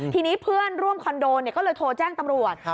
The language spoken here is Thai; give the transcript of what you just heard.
ทีนี้เพื่อนร่วมคอนโดก็เลยโทรแจ้งตำรวจ